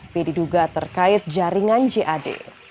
p diduga terkait jaringan jad